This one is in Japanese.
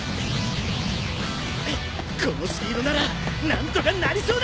このスピードなら何とかなりそうだ！